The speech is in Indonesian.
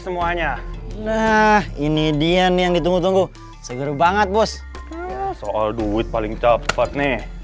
semuanya nah ini dia nih yang ditunggu tunggu seger banget bos soal duit paling cepat nih